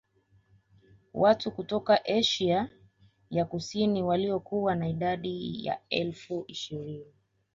Watu kutoka Asia ya Kusini waliokuwa na idadi ya elfu ishirini